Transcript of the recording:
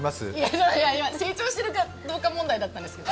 いや、今の、成長してるか問題だったんですけど。